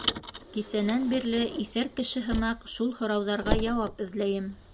Кисәнән бирле, иҫәр кеше һымаҡ, шул һорауҙарға яуап эҙләйем.